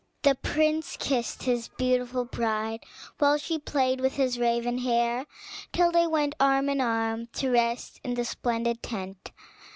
The prince kissed his beautiful bride, while she played with his raven hair, till they went arm in arm to rest in the splendid tent.